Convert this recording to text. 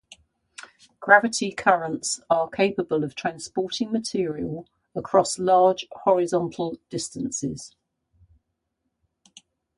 Gravity currents are capable of transporting material across large horizontal distances.